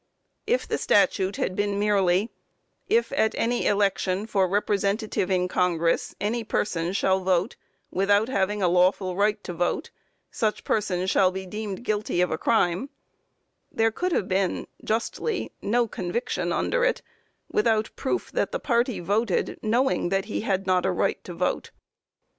If the statute had been merely, that "if at any election for representative in Congress any person shall vote without having a lawful right to vote, such person shall be deemed guilty of a crime," there could have been justly no conviction under it, without proof that the party voted knowing that he had not a right to vote.